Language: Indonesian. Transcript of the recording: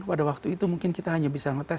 pada waktu itu mungkin kita hanya bisa ngetes